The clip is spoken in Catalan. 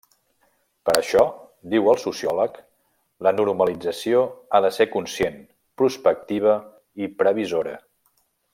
Per això, diu el sociòleg, la normalització ha de ser conscient, prospectiva i previsora.